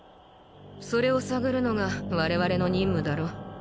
それを探るのが我々の忍務だろ